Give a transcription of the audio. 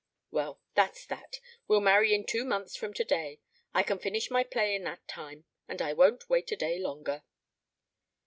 "Well, that's that. We'll marry two months from today. I can finish my play in that time, and I won't wait a day longer."